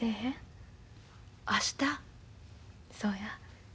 そうや。